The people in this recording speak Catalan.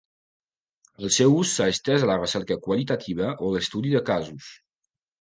El seu ús s'ha estès a la recerca qualitativa o l'estudi de casos.